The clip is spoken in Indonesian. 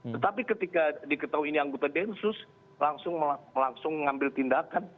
tetapi ketika diketahui ini anggota densus langsung mengambil tindakan